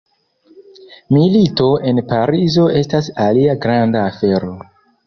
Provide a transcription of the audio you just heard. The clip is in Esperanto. Milito en Parizo estas alia granda afero.